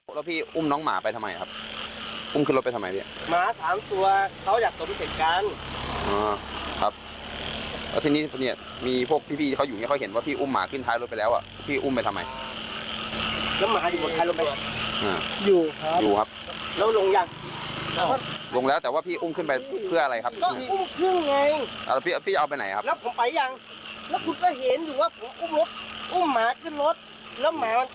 ขึ้นไหมขึ้นแล้วหมาอีกตัวมันลงไหมมันก็ลงมันก็ปล่อยให้หมาลง